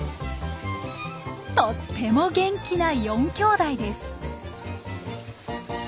とっても元気な４きょうだいです。